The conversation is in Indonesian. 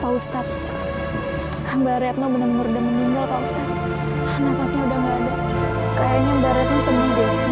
pak ustadz mbak riatno benar benar udah meninggal pak ustadz